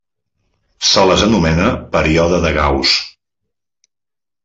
Se les anomena període de Gauss.